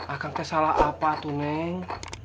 akang teh salah apa tuh neng